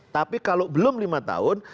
tapi kalau belum lima tahun